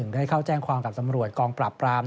ได้เข้าแจ้งความกับตำรวจกองปราบปราม